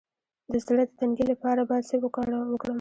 د زړه د تنګي لپاره باید څه وکړم؟